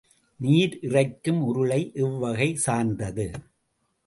நீர் இறைக்கும் உருளை எவ்வகை சார்ந்தது?